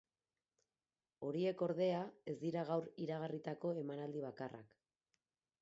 Horiek, ordea, ez dira gaur iragarritako emanaldi bakarrak.